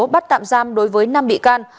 bắt tạm giam đối với năm bị can